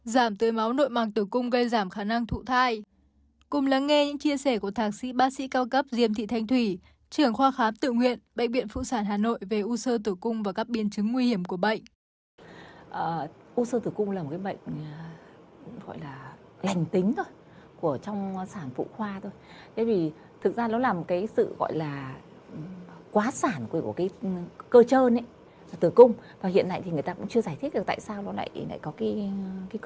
giảm tươi máu nội mạng tử cung gây giảm khả năng thụ thai